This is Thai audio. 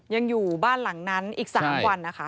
ยังอยู่บ้านหลังนั้นอีก๓วันนะคะ